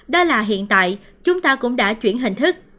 đó là hiện tại chúng ta cũng đã chuyển hình thức